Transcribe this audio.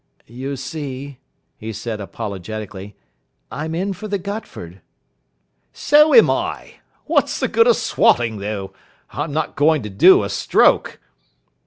"You see," he said apologetically, "I'm in for the Gotford." "So am I. What's the good of swotting, though? I'm not going to do a stroke."